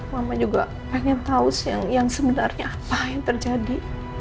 mama juga pengen tahu yang sebenarnya apa yang terjadi